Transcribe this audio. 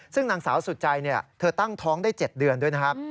ซึ่งนางสาวสุดใจเธอตั้งท้องได้๗เดือนด้วยนะครับ